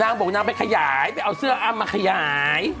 นางบอกนางไปขยายไปเอาเสื้ออ้ำมาขยาย